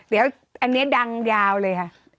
เดี๋ยวอันนี้ดังยาวเลยค่ะ